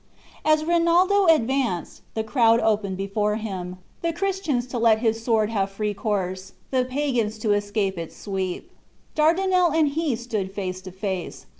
As Rinaldo advanced, the crowd opened before him, the Christians to let his sword have free course, the Pagans to escape its sweep. Dardinel and he stood face to face.